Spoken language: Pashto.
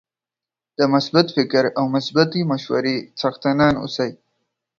د مثبت فکر او مثبتې مشورې څښتنان اوسئ